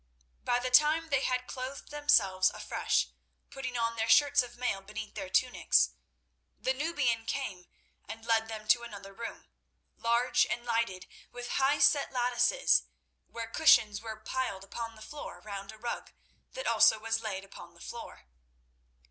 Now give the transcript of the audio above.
By the time they had clothed themselves afresh, putting on their shirts of mail beneath their tunics, the Nubian came and led them to another room, large and lighted with high set lattices, where cushions were piled upon the floor round a rug that also was laid upon the floor.